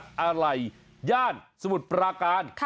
ระไหล่ย่านสมุทรประกาน